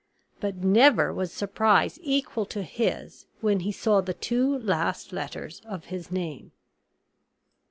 But never was surprise equal to his when he saw the two last letters of his name.